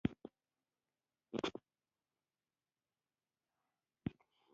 نوموړی د ویلیام مکنیل په استناد داسې لیکي.